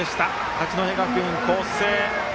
八戸学院光星。